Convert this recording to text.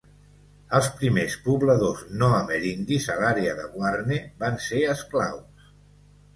Els primers pobladors no amerindis a l'àrea de Guarne van ser esclaus.